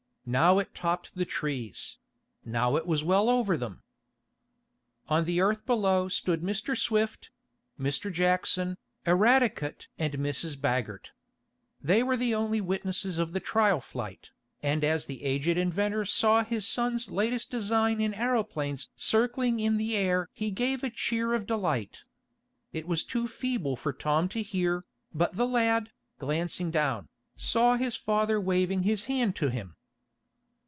Now it topped the trees; now it was well over them. On the earth below stood Mr. Swift, Mr. Jackson, Eradicate and Mrs. Baggert. They were the only witnesses of the trial flight, and as the aged inventor saw his son's latest design in aeroplanes circling in the air he gave a cheer of delight. It was too feeble for Tom to hear, but the lad, glancing down, saw his father waving his hand to him.